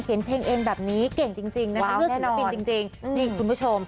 เขียนเพลงเองแบบนี้เก่งจริงจริงว้าวแน่นอนจริงจริงนี่คุณผู้ชม